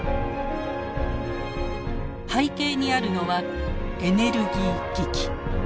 背景にあるのはエネルギー危機。